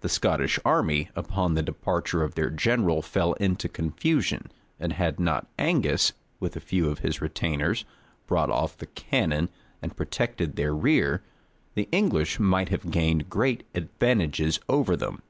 The Scottish army, upon the departure of their general, fell into confusion; and had not Angus, with a few of his retainers, brought off the cannon, and protected their rear, the English might have gained great advantages over them.